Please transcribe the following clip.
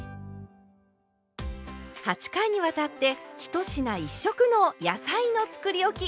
８回にわたって「１品１色の野菜のつくりおき」